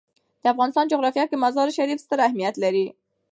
د افغانستان جغرافیه کې مزارشریف ستر اهمیت لري.